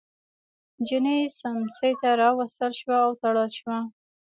نجلۍ سمڅې ته راوستل شوه او تړل شوه.